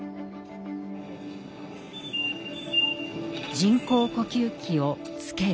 「人工呼吸器をつける」。